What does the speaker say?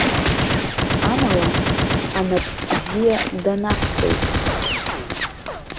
Амала, анап бзиа данаҳҵеит.